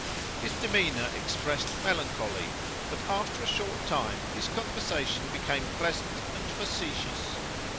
His demeanor expressed melancholy; but after a short time his conversation became pleasant and facetious.